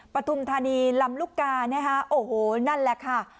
ปฐุมธานีลำลูกกานะคะโอ้โหนั่นแหละค่ะ